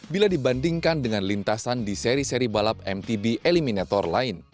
bila dibandingkan dengan lintasan di seri seri balap mtb eliminator lain